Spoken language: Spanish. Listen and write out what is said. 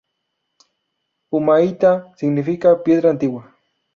Humaitá significaría Piedra antigua.